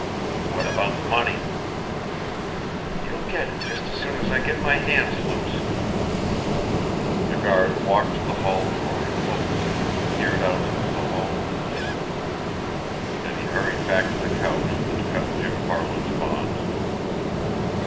"What about the money?" "You'll get it just as soon as I get my hands loose." The guard walked to the hall door and opened it, peered out into the hall and listened. Then he hurried back to the couch and cut Jim Farland's bonds.